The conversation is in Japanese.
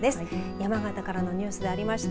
山形からのニュースでありました